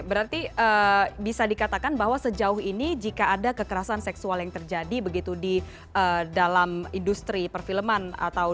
berarti bisa dikatakan bahwa sejauh ini jika ada kekerasan seksual yang terjadi begitu di dalam industri perfilman